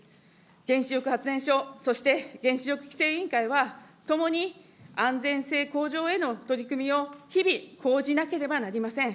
原子力発電所、そして原子力規制委員会は、共に安全性向上への取り組みを日々講じなければなりません。